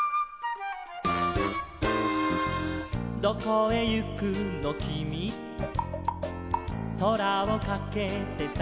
「どこへ行くのきみ」「空をかけてさ」